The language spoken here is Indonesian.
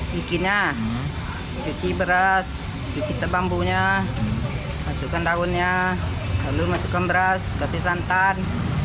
bikinnya cuci beras cuci bambunya masukkan daunnya lalu masukkan beras kasih santan